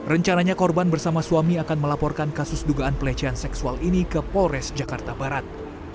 rencananya korban bersama suami akan melaporkan kasus dugaan pelecehan seksual ini ke polres jakarta barat